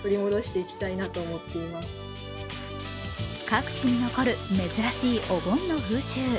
各地に残る、珍しいお盆の風習。